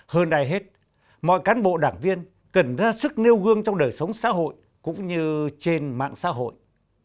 hơn ai hết mọi cán bộ đảng viên cần ra sức nêu gương trong đời sống xã hội cũng như trên mạng xã hội